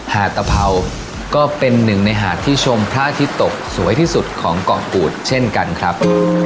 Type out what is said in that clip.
หาดตะเผาก็เป็นหนึ่งในหาดที่ชมพระอาทิตย์ตกสวยที่สุดของเกาะกูดเช่นกันครับ